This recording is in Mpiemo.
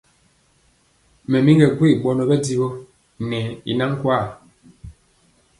Mɛ mi kɛ gwee ɓɔnɔ ɓɛ jiwɔ nɛ i nkwaa.